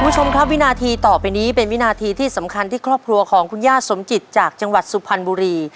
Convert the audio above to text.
คุณผู้ชมครับวินาทีต่อไปนี้เป็นวินาทีที่สำคัญที่ครอบครัวของคุณย่าสมจิตจากจังหวัดสุพรรณบุรี